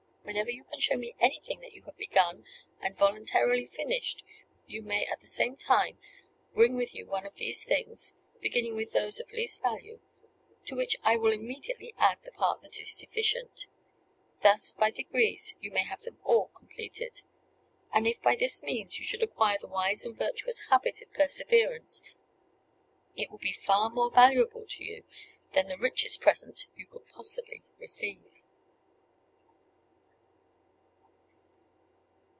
Whenever you can show me anything that you have begun, and voluntarily finished, you may at the same time bring with you one of these things, beginning with those of least value, to which I will immediately add the part that is deficient. Thus, by degrees, you may have them all completed; and if by this means you should acquire the wise and virtuous habit of perseverance, it will be far more valuable to you than the richest present you could possibly receive."